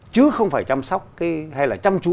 chứ không phải chăm sóc hay là chăm chú